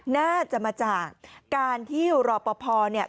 น่าจะมาจากการที่รอปภเนี่ย